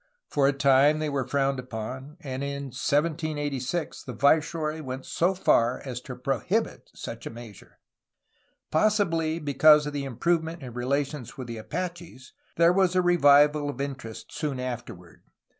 For a time they were frowned upon, and in 1786 the viceroy went so far as to prohibit such a measure. Possibly because of the improvement in relations with the Apaches, there was a revival of interest soon afterward.